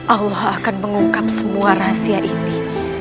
allah akan mengungkap semua rahasia ini